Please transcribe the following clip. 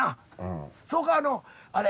それかあのあれ。